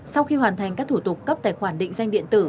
sau khi hoàn thành các thủ tục cấp tài khoản định danh điện tử